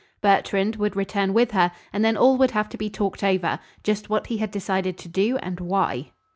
Bertrand would return with her, and then all would have to be talked over, just what he had decided to do, and why.